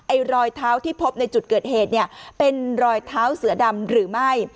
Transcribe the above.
รอยเท้าที่พบในจุดเกิดเหตุเนี่ยเป็นรอยเท้าเสือดำหรือไม่